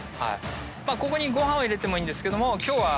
ここにご飯を入れてもいいんですけども。